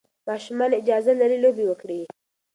ماشومان اجازه لري لوبې وکړي.